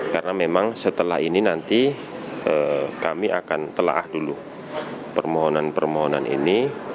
karena memang setelah ini nanti kami akan telah dulu permohonan permohonan ini